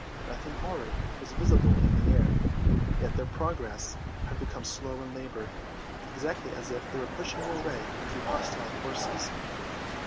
Nothing horrid was visible in the air, yet their progress had become slow and laboured, exactly as if they were pushing their way through hostile forces.